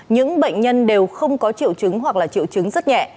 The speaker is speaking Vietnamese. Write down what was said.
những bệnh nhân đều không có triệu chứng hoặc là triệu chứng rất nhẹ